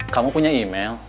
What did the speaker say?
kamu punya email